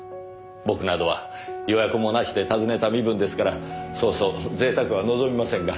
僕などは予約もなしで訪ねた身分ですからそうそう贅沢は望みませんが。